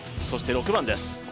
そして６番です。